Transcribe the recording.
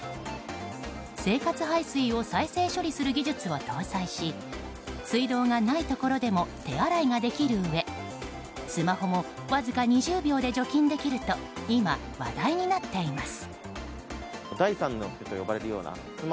生活排水を再生処理する技術を搭載し水道がないところでも手洗いができるうえスマホもわずか２０秒で除菌できると今、話題になっています。